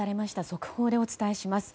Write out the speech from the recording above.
速報でお伝えします。